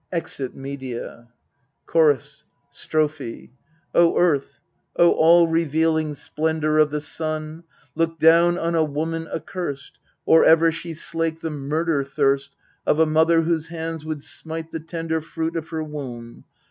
{Exit MEDEA. CHORUS. Strophe O Earth, O all revealing splendour Of the Sun, look down on a woman accurst, Or ever she slake the murder thirst Of a mother whose hands would smite the tender Fruit of her womb.